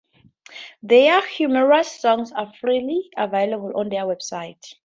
Their humorous songs are freely available on their website.